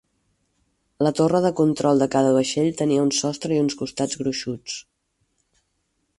La torre de control de cada vaixell tenia un sostre i uns costats gruixuts.